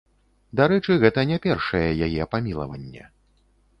Дарэчы, гэта не першае яе памілаванне.